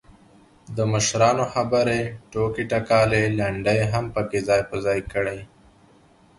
دمشرانو خبرې، ټوکې ټکالې، لنډۍ هم پکې ځاى په ځاى کړي.